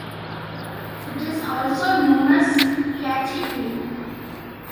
It is also known as Cauchy Creek.